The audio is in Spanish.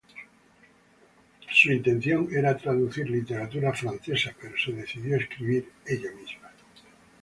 Su intención era traducir literatura francesa, pero se decidió a escribir ella misma.